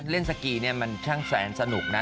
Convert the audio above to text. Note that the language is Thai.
เล่นสกีมันช่างแสนสนุกนะ